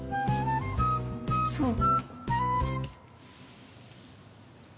そう。